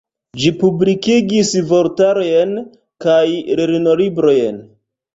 Ĝi publikigis vortarojn kaj lernolibrojn.